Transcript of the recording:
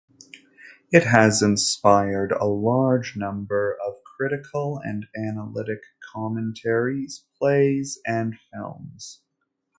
It has inspired a large number of critical and analytic commentaries, plays, and films.